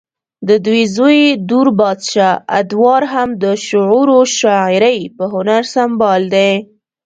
ددوي زوے دور بادشاه ادوار هم د شعرو شاعرۍ پۀ هنر سنبال دے